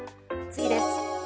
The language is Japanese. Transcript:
次です。